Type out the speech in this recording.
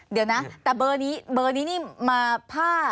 เดี๋ยวนะแต่เบอร์นี้นี่มาผ้า